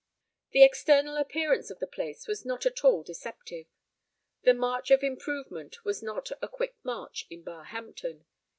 The external appearance of the place was not at all deceptive. The march of improvement was not a quick march in Barhampton.